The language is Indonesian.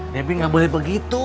debbie gak boleh begitu